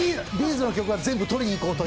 ’ｚの曲は全部取りに行こうと。